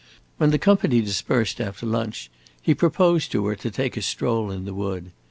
When the company dispersed, after lunch, he proposed to her to take a stroll in the wood.